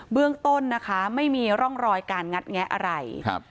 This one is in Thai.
เรื่องต้นนะคะไม่มีร่องรอยการงัดแงะอะไรครับ